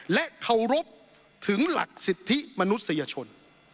และเคารพถึงหลักสิทธิมนุษยชน